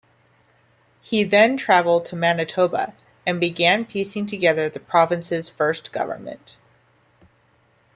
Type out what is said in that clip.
He then travelled to Manitoba, and began piecing together the province's first government.